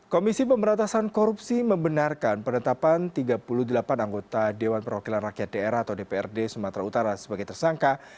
komisi pemberantasan korupsi membenarkan penetapan tiga puluh delapan anggota dewan perwakilan rakyat daerah atau dprd sumatera utara sebagai tersangka